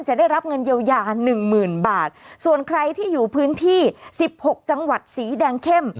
จะได้รับเงินเยียวยา๑๐๐๐๐บาทส่วนใครที่อยู่พื้นที่๑๖จังหวัดสีแดงเข้ม